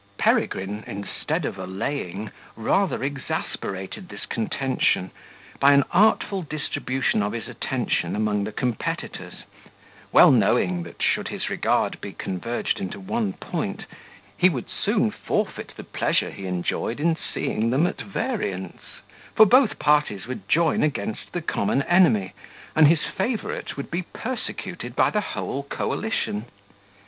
Peregrine, instead of allaying, rather exasperated this contention, by an artful distribution of his attention among the competitors; well knowing, that, should his regard be converged into one point, he would soon forfeit the pleasure he enjoyed in seeing them at variance; for both parties would join against the common enemy, and his favourite would be persecuted by the whole coalition.